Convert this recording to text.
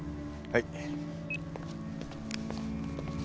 はい。